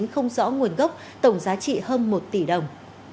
không rõ nguồn gốc tổng giá trị hơn một tỷ đồng